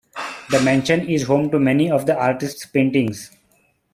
The mansion is home to many of the artist's paintings.